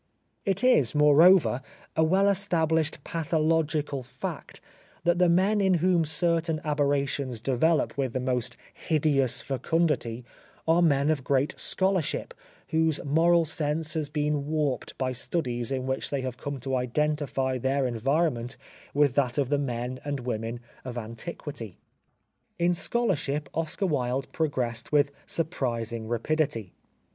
It is, more over, a well established pathological fact that the men in whom certain aberrations develop with the most hideous fecundity are men of great scholarship whose moral sense has been warped by studies in which they have come to identify their environment with that of the men and women of antiquity. "In scholarship Oscar Wilde progressed with surprising rapidity.